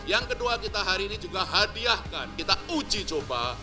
yang kedua kita hari ini juga hadiahkan kita uji coba